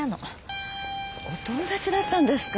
お友達だったんですか？